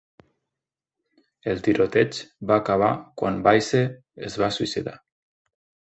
El tiroteig va acabar quan Weise es va suïcidar.